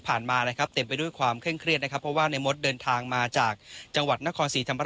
รายงานส่วนเข้ามานะคะจากจังหวัดชนบุรีค่ะ